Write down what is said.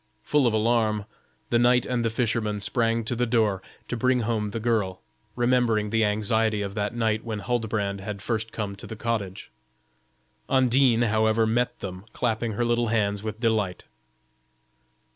Full of alarm, the knight and the fisherman sprang to the door, to bring home the girl, remembering the anxiety of that night when Huldbrand had first come to the cottage. Undine, however, met them, clapping her little hands with delight.